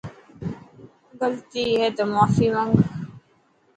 غلطي هي تو ماني منگ.